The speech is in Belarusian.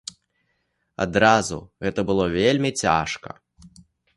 Адразу гэта было вельмі цяжка.